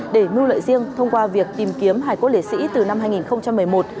để mưu lợi riêng thông qua việc tìm kiếm hải cốt lễ sĩ từ năm hai nghìn một mươi một